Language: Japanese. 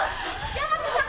大和さん！